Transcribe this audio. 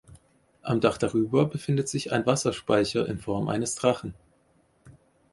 Am Dach darüber befindet sich ein Wasserspeier in Form eines Drachen.